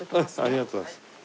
ありがとうございます。